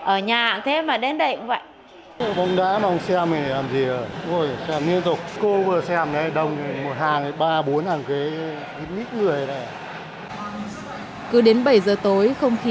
ở nhà thế mà đến đây cũng vậy